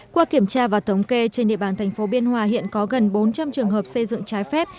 qua kiểm tra và thống kê trên địa bàn thành phố biên hòa hiện có gần bốn trăm linh trường hợp xây dựng trái phép